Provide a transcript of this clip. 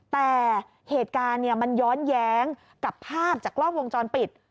แต่เหตุการณ์มันย้อนแย้งกับภาพจากกล้องวงจรปิด